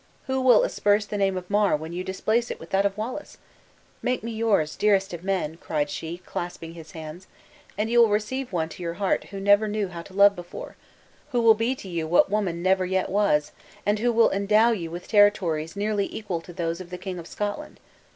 Who will asperse the name of Mar when you displace it with that of Wallace? Make me yours, dearest of men," cried she, clasping his hands, "and you will receive one to your heart who never knew how to love before, who will be to you what your heart who never knew how to love before, who will be to you what woman never yet was, and who will endow you with territories nearly equal to those of the King of Scotland.